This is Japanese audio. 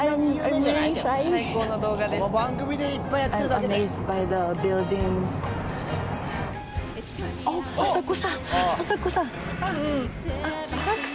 この番組でいっぱいやってる浅草！